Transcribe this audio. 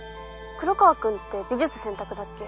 黒川くんって美術選択だっけ？